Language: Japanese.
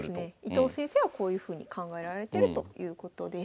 伊藤先生はこういうふうに考えられてるということです。